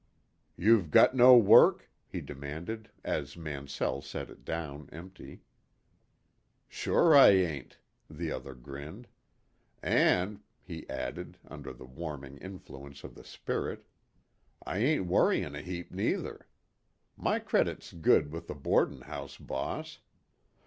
"You've got no work?" he demanded, as Mansell set it down empty. "Sure I ain't," the other grinned. "An'," he added, under the warming influence of the spirit, "I ain't worritin' a heap neither. My credit's good with the boardin' house boss.